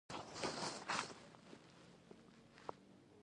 ازادي راډیو د حیوان ساتنه پر وړاندې یوه مباحثه چمتو کړې.